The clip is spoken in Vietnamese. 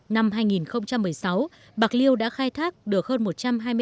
năm hai nghìn một mươi sáu bạc liêu đã khai thác được hơn một trăm hai mươi ba tấn tôm